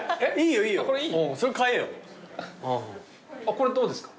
これどうですか？